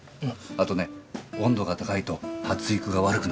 あとね温度が高いと発育が悪くなりますからね。